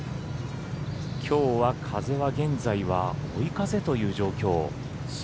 きょうは風は現在は追い風という状況。